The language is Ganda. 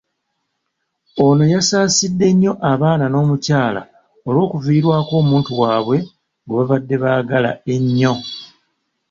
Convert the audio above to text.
Ono yasaasidde nnyo abaana n'omukyala olw'okuviirwako omuntu waabwe gwebabadde baagala ennyo.